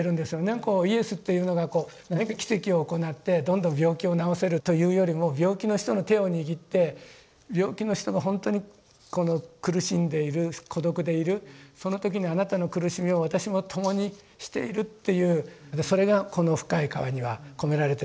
イエスっていうのがこう何か奇跡を行ってどんどん病気を治せるというよりも病気の人の手を握って病気の人がほんとにこの苦しんでいる孤独でいるその時にあなたの苦しみを私も共にしているっていうそれがこの「深い河」には込められて。